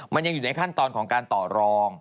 มันยังอยู่ในขั้นตอนของการต่อรอง